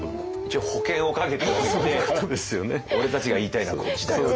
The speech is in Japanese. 一応保険をかけておいて俺たちが言いたいのはこっちだよと。